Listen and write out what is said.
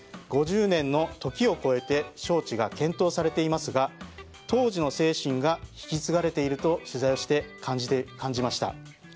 ５０年の時を越えて招致が検討されていますが当時の精神が引き継がれていると取材をして感じました。